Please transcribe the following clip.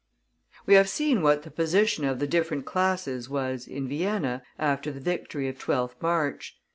We have seen what the position of the different classes was, in Vienna, after the victory of 12th March.